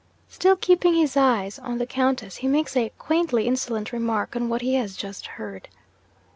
Still keeping his eyes on the Countess, he makes a quaintly insolent remark on what he has just heard.